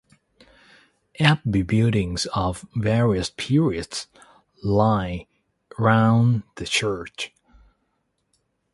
Abbey buildings of various periods lie round the church.